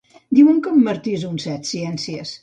Diuen que el Martí és un set-ciències.